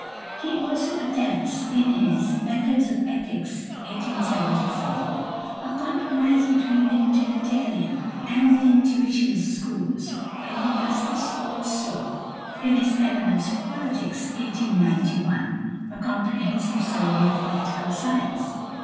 He also attempts in his "Methods of Ethics" (1874) a compromise between the Utilitarian and the Intuitionist schools, and he does this also in his "Elements of Politics" (1891), a comprehensive survey of political science.